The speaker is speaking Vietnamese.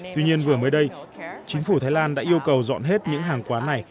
tuy nhiên vừa mới đây chính phủ thái lan đã yêu cầu dọn hết những hàng quán này